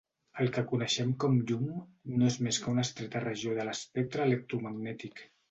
El que coneixem com "llum" no és més que una estreta regió de l'espectre electromagnètic.